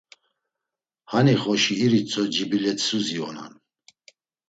Hani xoşi iritso cibilet̆isuzi onan.